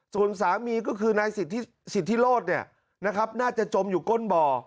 ส่วนสามีก็คือนายสิทธิโรธเนี่ยนะครับน่าจะจมอยู่ก้นบ่อ